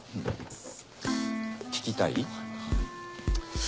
聞きたい？